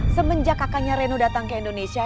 semenjak kakaknya reno datang ke indonesia